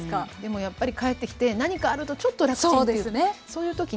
でもやっぱり帰ってきて何かあるとちょっと楽ちんという。